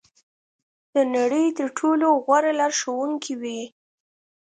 د نړۍ تر ټولو غوره لارښوونکې وي.